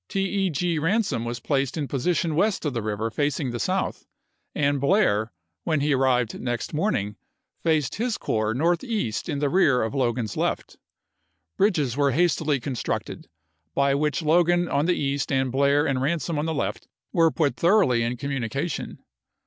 T. E. Gr. Eansom was placed in position west of the river facing the south, and Blair, when he arrived next morning, faced his corps northeast in the rear of Logan's left. Bridges were hastily con structed, by which Logan on the east and Blair and Eansom on the left were put thoroughly in com munication.